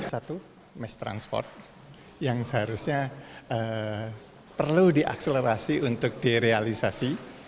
satu mass transport yang seharusnya perlu diakselerasi untuk direalisasi